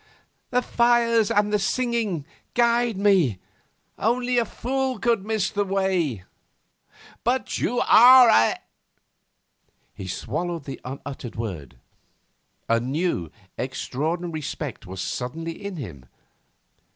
'The fires and the singing guide me. Only a fool could miss the way.' 'But you are a ' He swallowed the unuttered word. A new, extraordinary respect was suddenly in him.